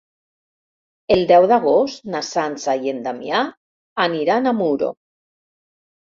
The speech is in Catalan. El deu d'agost na Sança i en Damià aniran a Muro.